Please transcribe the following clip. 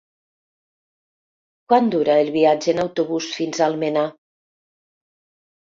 Quant dura el viatge en autobús fins a Almenar?